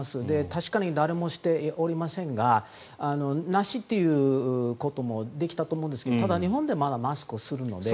確かに誰もしておりませんがなしっていうこともできたと思うんですがただ、日本ではまだマスクをするので。